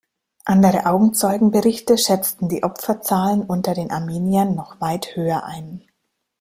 Andere Augenzeugenberichte schätzten die Opferzahlen unter den Armeniern noch weit höher ein.